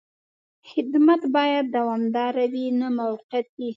خدمت باید دوامداره وي، نه موقتي.